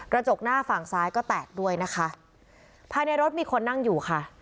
จกหน้าฝั่งซ้ายก็แตกด้วยนะคะภายในรถมีคนนั่งอยู่ค่ะ